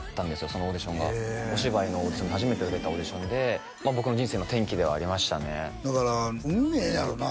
そのオーディションがお芝居のオーディションで初めて受けたオーディションでまあ僕の人生の転機ではありましたねだから運命やろな